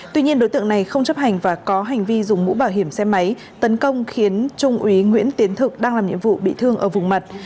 tuy nhiên đối tượng này không chấp hành và có hành vi dùng mũ bảo hiểm xe máy tấn công khiến trung úy nguyễn tiến thực đang làm nhiệm vụ bị thương ở vùng mặt